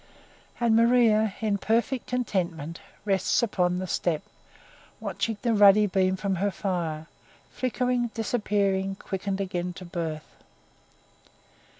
And Maria, in perfect contentment, rests upon the step, watching the ruddy beam from her fire flickering, disappearing, quickened again to birth.